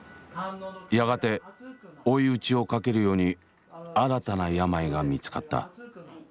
やがて追い打ちをかけるように新たな病が見つかった。